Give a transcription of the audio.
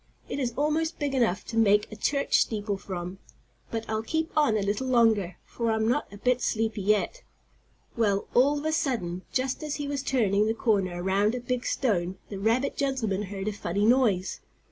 "It is almost big enough to make a church steeple from. But I'll keep on a little longer, for I'm not a bit sleepy yet." Well, all of a sudden, just as he was turning the corner around a big stone, the rabbit gentleman heard a funny noise.